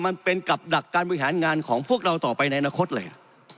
มันเป็นกับดักการบริหารงานของพวกเราต่อไปในอนาคตเลย